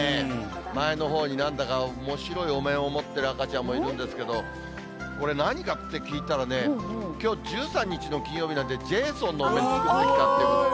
前のほうになんだかおもしろいお面を持ってる赤ちゃんもいるんですけれども、これ何かって聞いたらね、きょう、１３日の金曜日なんで、ジェイソンのお面を作ってきたということで。